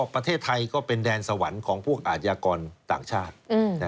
ประเทศไทยก็เป็นแดนสวรรค์ของพวกอาชญากรต่างชาติ